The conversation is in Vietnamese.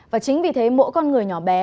và chính vì thế mỗi con người nhỏ bé